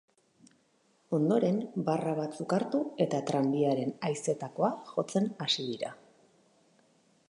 Ondoren, barra batzuk hartu eta tranbiaren haizetakoa jotzen hasi dira.